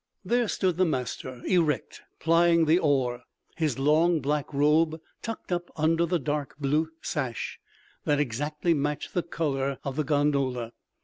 There stood the master erect, plying the oar, his long black robe tucked up under the dark blue sash that exactly matched the color of the gondola.